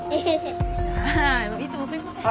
ああいつもすみません。